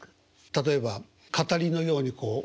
例えば語りのようにこう。